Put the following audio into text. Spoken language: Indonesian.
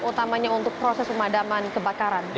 utamanya untuk proses pemadaman kebakaran